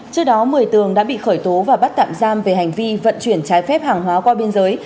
trước đó một mươi tường đã bị khởi tố và bắt tạm giam về hành vi vận chuyển trái phép hàng hóa qua biên giới